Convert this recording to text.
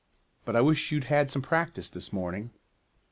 But I wish you'd had some practice this morning."